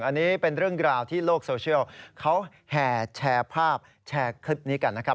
อันนี้เป็นเรื่องราวที่โลกโซเชียลเขาแห่แชร์ภาพแชร์คลิปนี้กันนะครับ